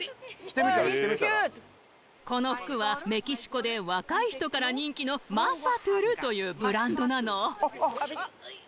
この服はメキシコで若い人から人気のＭａｚａｔｌというブランドなの。